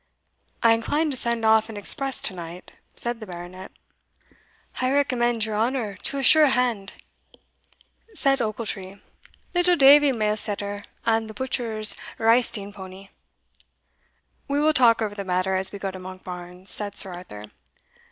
"I incline to send off an express to night," said the Baronet. "I can recommend your honour to a sure hand," said Ochiltree; "little Davie Mailsetter, and the butcher's reisting powny." "We will talk over the matter as we go to Monkbarns," said Sir Arthur.